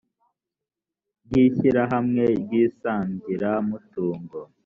ry ishyirahamwe ry isangiramutugo